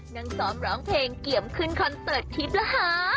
นั่งซ้อมร้องเพลงเกียมขึ้นคอนเสิร์ตทริปแล้วฮะ